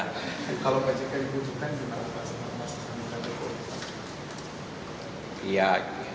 kalau baju kali wujud kan kenapa bangsa bangsa tidak berguna